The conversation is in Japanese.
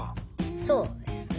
そうですね。